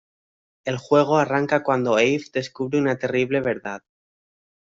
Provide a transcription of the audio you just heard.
El juego arranca cuando Abe descubre una terrible verdad.